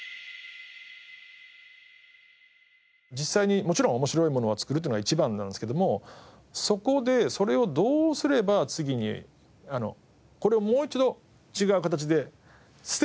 実際にもちろん面白いものを作るっていうのが一番なんですけどもそこでそれをどうすれば次にこれをもう一度違う形で捨てないで。